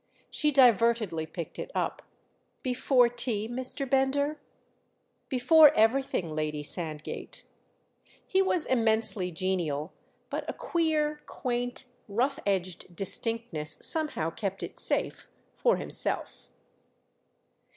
She divertedly picked it up. "Before tea, Mr. Bender?" "Before everything, Lady Sandgate." He was immensely genial, but a queer, quaint, rough edged distinctness somehow kept it safe—for himself.